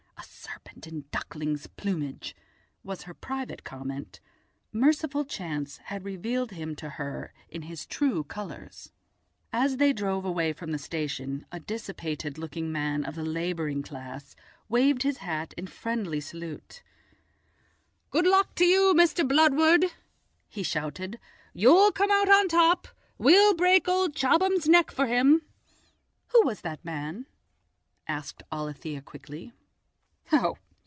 "A serpent in duckling's plumage," was her private comment; merciful chance had revealed him to her in his true colours. As they drove away from the station a dissipated looking man of the labouring class waved his hat in friendly salute. "Good luck to you, Mr. Bludward," he shouted; "you'll come out on top! We'll break old Chobham's neck for him." "Who was that man?" asked Alethia quickly.